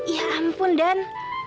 ya ampun dan